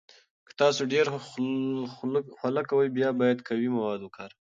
که تاسو ډیر خوله کوئ، بیا باید قوي مواد وکاروئ.